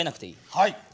はい。